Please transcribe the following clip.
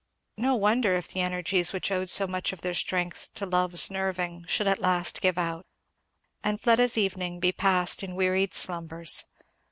No wonder if the energies which owed much of their strength to love's nerving, should at last give out, and Fleda's evening be passed in wearied slumbers.